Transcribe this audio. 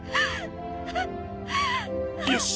よし！